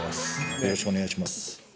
よろしくお願いします。